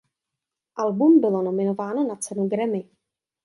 Album bylo nominováno na cenu Grammy.